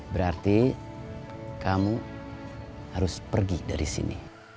berarti kamu harus pergi dari sini